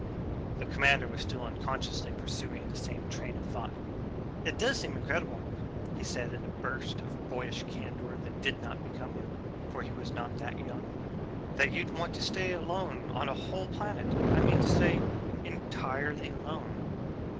The commander was still unconsciously pursuing the same train of thought. "It does seem incredible," he said in a burst of boyish candor that did not become him, for he was not that young, "that you'd want to stay alone on a whole planet. I mean to say entirely alone....